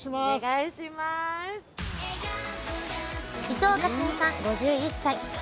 伊藤克己さん５１歳。